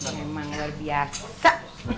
memang luar biasa